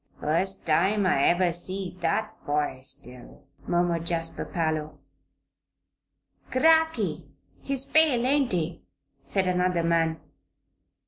"Fust time I ever see that boy still," murmured Jasper Parloe. "Cracky! He's pale; ain't he?" said another man.